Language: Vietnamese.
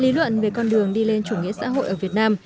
lý luận về con đường đi lên chủ nghĩa xã hội ở việt nam